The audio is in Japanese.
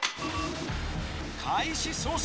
開始早々